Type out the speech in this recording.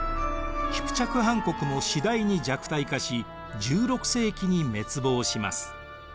キプチャク・ハン国も次第に弱体化し１６世紀に滅亡します。